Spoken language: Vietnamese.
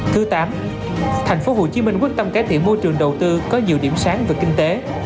thứ tám thành phố hồ chí minh quyết tâm cải thiện môi trường đầu tư có nhiều điểm sáng về kinh tế